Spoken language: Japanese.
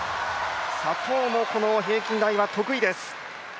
左トウも平均台は得意です。